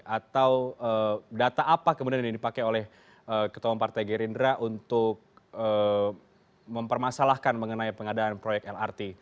atau data apa kemudian yang dipakai oleh ketua partai gerindra untuk mempermasalahkan mengenai pengadaan proyek lrt